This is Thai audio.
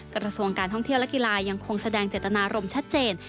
กระทรวงการท่องเที่ยวและกีฬายังคงแสดงเจตนารมณ์ชัดเจน